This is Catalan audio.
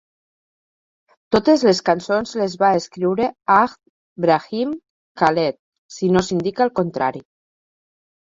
Totes les cançons les va escriure Hadj Brahim Khaled, si no s'indica el contrari.